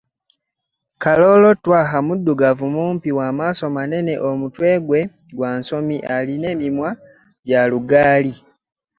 Kaloolo Twaha muddugavu mumpi w’amaaso manene omutwe gwe gwa nsoomi alina emimwa gya lugali.